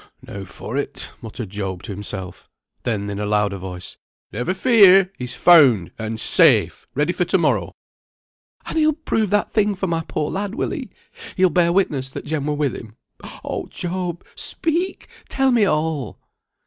"Now for it," muttered Job to himself. Then in a louder voice, "Never fear! he's found, and safe, ready for to morrow." "And he'll prove that thing for my poor lad, will he? He'll bear witness that Jem were with him? Oh, Job, speak! tell me all!"